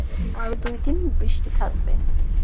আরও দুই দিন বৃষ্টি থাকবে।